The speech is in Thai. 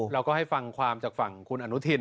เราก็ให้ฟังความจากฝั่งคุณอนุทิน